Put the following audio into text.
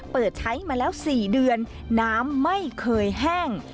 เปิดใช้มาแล้ว๔เดือนน้ำไม่เคยแห้ง